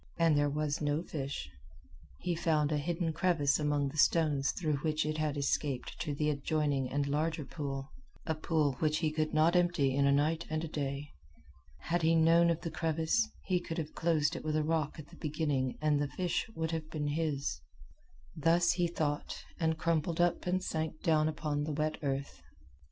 And there was no fish. He found a hidden crevice among the stones through which it had escaped to the adjoining and larger pool a pool which he could not empty in a night and a day. Had he known of the crevice, he could have closed it with a rock at the beginning and the fish would have been his. Thus he thought, and crumpled up and sank down upon the wet earth.